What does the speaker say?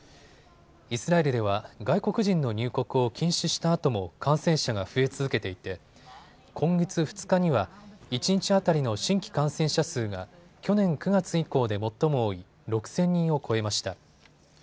イスラエルでは外国人の入国を禁止したあとも感染者が増え続けていて今月２日には一日当たりの新規感染者数が去年９月以降で最も多い６０００人を超えました。